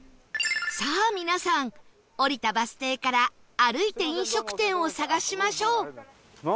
さあ皆さん降りたバス停から歩いて飲食店を探しましょう